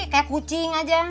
kayak kucing aja